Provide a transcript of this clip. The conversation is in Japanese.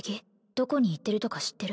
どこに行ってるとか知ってる？